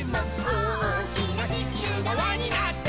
「おおきなちきゅうがわになって」